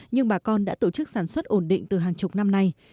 nhưng bà con đã tổ chức sản xuất ổn định từ hàng chục năm nay